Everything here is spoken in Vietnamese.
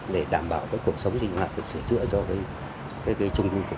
ví dụ như là xây dựng trái phép